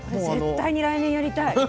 これ絶対に来年やりたい。